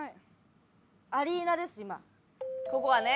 ここはね。